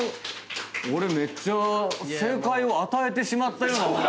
俺めっちゃ正解を与えてしまったようなもの。